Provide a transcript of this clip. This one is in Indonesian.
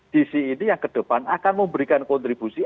dc ini yang kedepan akan memberikan kontribusi